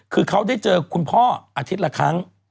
คือเขาได้เจอคุณพ่ออาทิตย์ละครั้ง